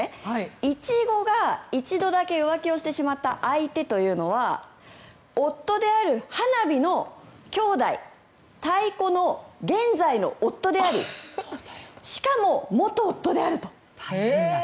イチゴが一度だけ浮気をしてしまった相手というのは夫であるはなびのきょうだいたいこの現在の夫であるしかも元夫であると。